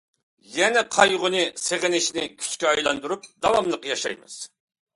يەنە قايغۇنى، سېغىنىشنى كۈچكە ئايلاندۇرۇپ داۋاملىق ياشايمىز.